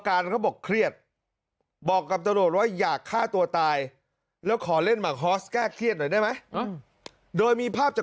ก็เรียกร้องให้ตำรวจดำเนอคดีให้ถึงที่สุดนะ